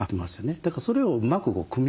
だからそれをうまく組み合わせると。